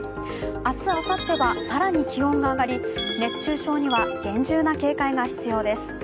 明日あさっては更に気温が上がり、熱中症には厳重な警戒が必要です。